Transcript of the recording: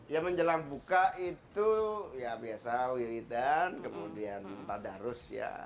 ya menjelang buka itu ya biasa wiritan kemudian tadarus ya